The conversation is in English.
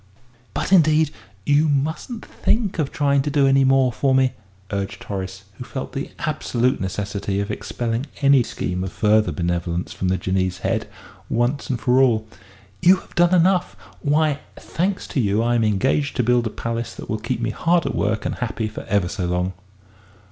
"But, indeed, you mustn't think of trying to do any more for me," urged Horace, who felt the absolute necessity of expelling any scheme of further benevolence from the Jinnee's head once and for all. "You have done enough. Why, thanks to you, I am engaged to build a palace that will keep me hard at work and happy for ever so long."